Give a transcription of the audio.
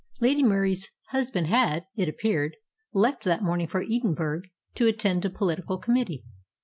Lady Murie's husband had, it appeared, left that morning for Edinburgh to attend a political committee.